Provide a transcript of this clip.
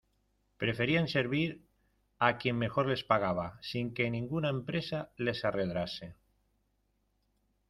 preferían servir a quien mejor les pagaba, sin que ninguna empresa les arredrase: